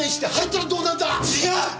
違う！